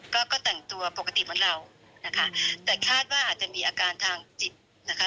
ก็ก็แต่งตัวปกติเหมือนเรานะคะแต่คาดว่าอาจจะมีอาการทางจิตนะคะ